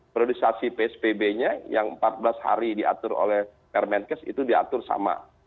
priorisasi psbb nya yang empat belas hari diatur oleh permenkes itu diatur sama